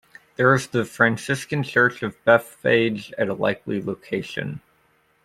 There is the Franciscan Church of Bethphage at a likely location.